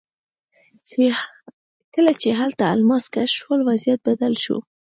کله چې هلته الماس کشف شول وضعیت بدل شو.